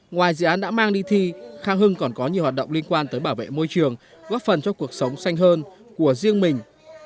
ngoài dự án đã mang đi thi khang hưng còn có nhiều hoạt động liên quan tới bảo vệ môi trường góp phần cho cuộc sống xanh hơn của riêng mình